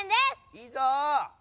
いいぞ！